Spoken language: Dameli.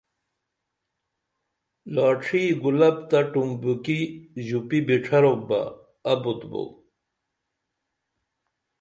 لاڇھی گُلپ تہ ٹُمبُکی ژوپی بچھروپ بہ ابُت بو